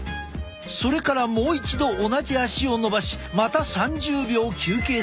それからもう一度同じ足をのばしまた３０秒休憩するのだ。